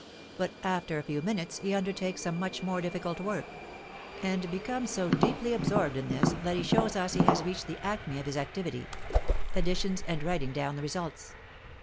But after a few minutes he undertakes some much more difficult work, and becomes so deeply absorbed in this, that he shows us he has reached the acme of his activity (additions and writing down the results).